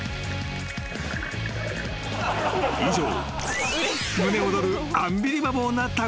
［以上］